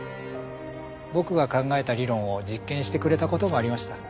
僕が考えた理論を実験してくれた事もありました。